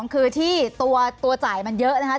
คือที่ตัวจ่ายเยอะ